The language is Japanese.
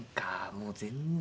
もう全然。